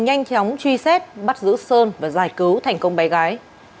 nhanh chóng truy xét bắt giữ sơn và giải cứu thành công bé gái